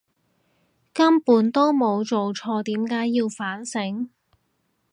根本都冇做錯，點解要反省！